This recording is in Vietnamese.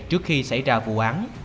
trước khi xảy ra vụ án